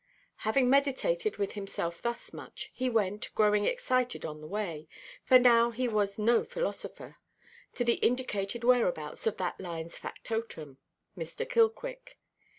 Having meditated with himself thus much, he went, growing excited on the way—for now he was no philosopher—to the indicated whereabouts of that lineʼs factotum, Mr. Killquick.